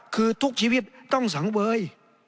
คือทุกชีวิตต้องสังเวย